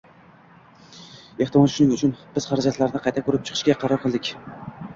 Ehtimol shuning uchun biz xarajatlarni qayta ko'rib chiqishga qaror qildik